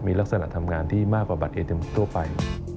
มีลักษณะทำงานที่มากกว่าบัตรเอ็มทั่วไป